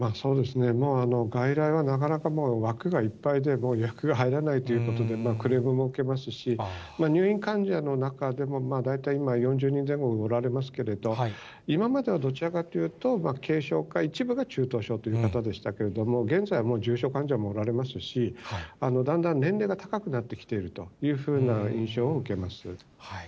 もう外来はなかなか、枠がいっぱいで、もう予約が入らないということで、クレームも受けますし、入院患者の中でも、大体今、４０人前後おられますけれど、今まではどちらかというと、軽症か一部が中等症という方でしたけれども、現在はもう重症患者もおられますし、だんだん年齢が高くなってきているというふうな印象を受けます。